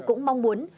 cũng mong muốn